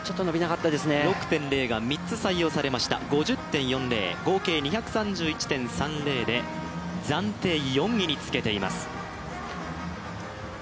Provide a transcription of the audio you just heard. ６．０が３つ採用されました、５０．４０合計２３１．３０で、暫定４位につけています。